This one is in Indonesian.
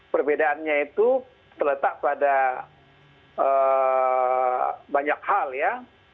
perbedaannya itu terletak pada banyak hal ya